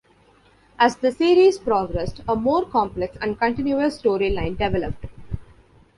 As the series progressed, a more complex and continuous storyline developed.